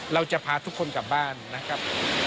เราจะพาทุกคนกลับบ้านนะครับ